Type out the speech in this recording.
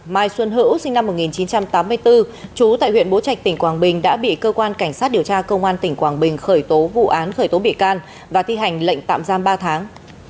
mai xuân hữu sinh năm một nghìn chín trăm tám mươi bốn trú tại huyện bố trạch tỉnh quảng bình đã bị cơ quan cảnh sát điều tra công an tỉnh quảng bình khởi tố vụ án khởi tố bị can và thi hành lệnh tạm giam ba tháng